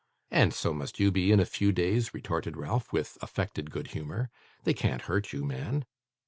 'And so must you be in a few days,' retorted Ralph, with affected good humour. 'They can't hurt you, man.